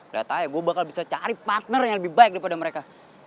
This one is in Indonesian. udah tau ya gue bakal bisa cari partner yang lebih baik daripada mereka